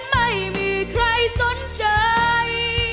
ไม่มีใครสนใจ